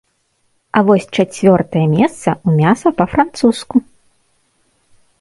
А вось чацвёртае месца ў мяса па-французску.